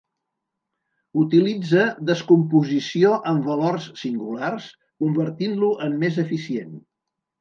Utilitza descomposició en valors singulars, convertint-lo en més eficient.